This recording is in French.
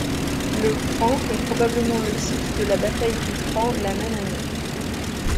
Le Cran est probablement le site de la bataille du Cran la même année.